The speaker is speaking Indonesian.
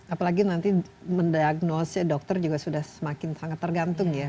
apalagi nanti mendiagnose dokter juga sudah semakin tergantung ya